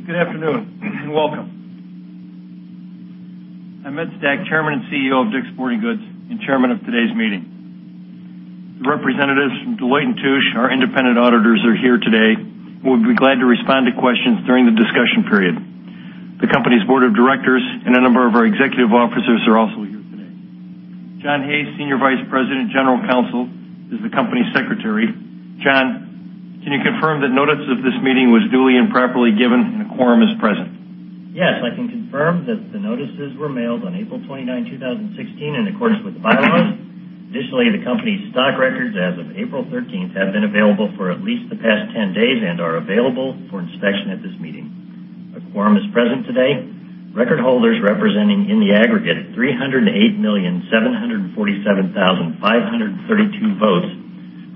Good afternoon, and welcome. I'm Ed Stack, Chairman and CEO of DICK'S Sporting Goods and chairman of today's meeting. The representatives from Deloitte & Touche, our independent auditors, are here today and will be glad to respond to questions during the discussion period. The company's board of directors and a number of our executive officers are also here today. John Hayes, Senior Vice President and General Counsel, is the company secretary. John, can you confirm that notice of this meeting was duly and properly given and a quorum is present? Yes, I can confirm that the notices were mailed on April 29, 2016, in accordance with the bylaws. Additionally, the company's stock records as of April 13th have been available for at least the past 10 days and are available for inspection at this meeting. A quorum is present today. Record holders representing in the aggregate at 308,747,532 votes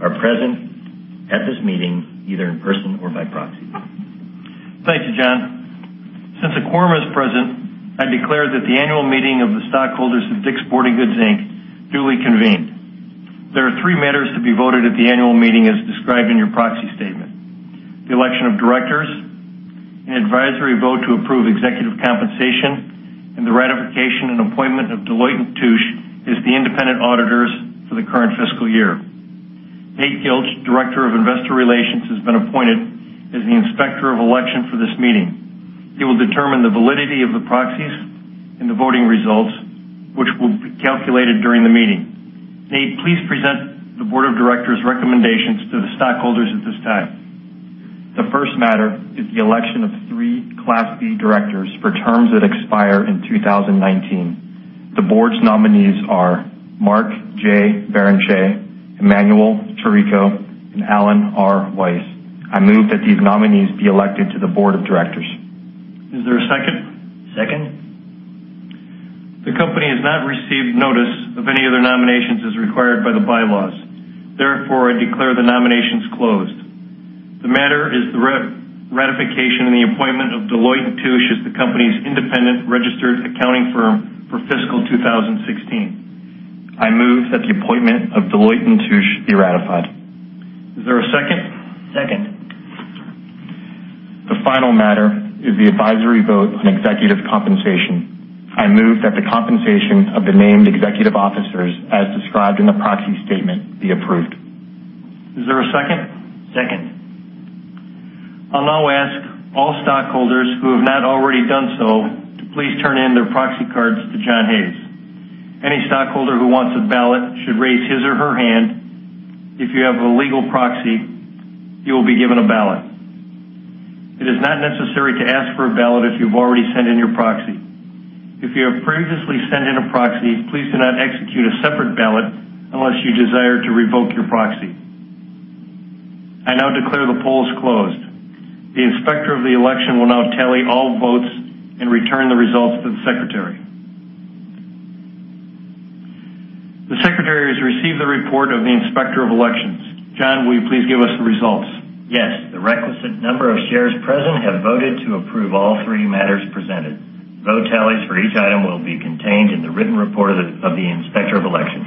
are present at this meeting, either in person or by proxy. Thank you, John. Since a quorum is present, I declare that the annual meeting of the stockholders of DICK'S Sporting Goods Inc. duly convened. There are three matters to be voted at the annual meeting as described in your proxy statement: the election of directors, an advisory vote to approve executive compensation, and the ratification and appointment of Deloitte & Touche as the independent auditors for the current fiscal year. Nate Gilch, Director of Investor Relations, has been appointed as the Inspector of Election for this meeting. He will determine the validity of the proxies and the voting results, which will be calculated during the meeting. Nate, please present the board of directors' recommendations to the stockholders at this time. The first matter is the election of three Class B directors for terms that expire in 2019. The board's nominees are Mark J. Barrenechea, Emanuel Chirico, and Allen R. Weiss. I move that these nominees be elected to the board of directors. Is there a second? Second. The company has not received notice of any other nominations as required by the bylaws. Therefore, I declare the nominations closed. The matter is the ratification and the appointment of Deloitte & Touche as the company's independent registered accounting firm for fiscal 2016. I move that the appointment of Deloitte & Touche be ratified. Is there a second? Second. The final matter is the advisory vote on executive compensation. I move that the compensation of the named executive officers, as described in the proxy statement, be approved. Is there a second? Second. I'll now ask all stockholders who have not already done so to please turn in their proxy cards to John Hayes. Any stockholder who wants a ballot should raise his or her hand. If you have a legal proxy, you will be given a ballot. It is not necessary to ask for a ballot if you've already sent in your proxy. If you have previously sent in a proxy, please do not execute a separate ballot unless you desire to revoke your proxy. I now declare the polls closed. The Inspector of Election will now tally all votes and return the results to the Secretary. The Secretary has received the report of the Inspector of Elections. John, will you please give us the results? Yes. The requisite number of shares present have voted to approve all three matters presented. Vote tallies for each item will be contained in the written report of the Inspector of Elections.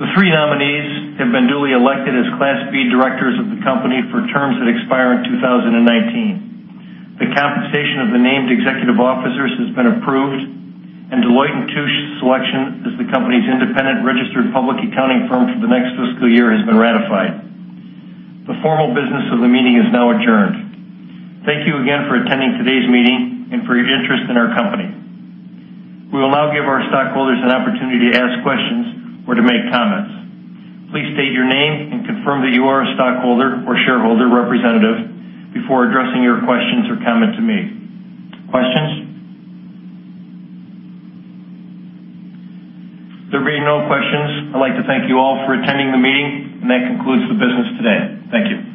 The three nominees have been duly elected as Class B directors of the company for terms that expire in 2019. The compensation of the named executive officers has been approved, Deloitte & Touche's selection as the company's independent registered public accounting firm for the next fiscal year has been ratified. The formal business of the meeting is now adjourned. Thank you again for attending today's meeting and for your interest in our company. We will now give our stockholders an opportunity to ask questions or to make comments. Please state your name and confirm that you are a stockholder or shareholder representative before addressing your questions or comments to me. Questions? There being no questions, I'd like to thank you all for attending the meeting, and that concludes the business today. Thank you.